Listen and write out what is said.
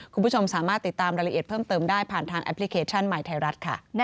คุณผู้ชมสามารถติดตามรายละเอียดเพิ่มเติมได้ผ่านทางแอปพลิเคชันใหม่ไทยรัฐค่ะ